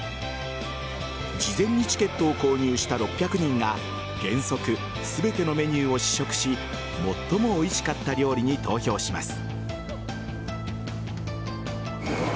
事前にチケットを購入した６００人が原則、全てのメニューを試食し最もおいしかった料理に投票します。